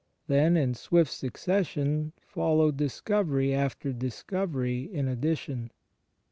Then, in swift succession, follow dis covery after discovery in addition.